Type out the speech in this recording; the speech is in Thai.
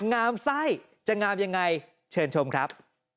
งามไส้จะงามยังไงเชิญชมครับ